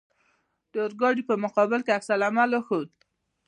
د اورګاډي په مقابل کې عکس العمل وښود.